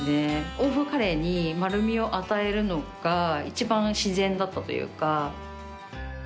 欧風カレーに丸みを与えるのが一番自然だったというか。